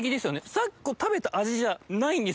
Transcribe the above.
さっき食べた味じゃないんですよ